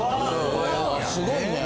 すごいね。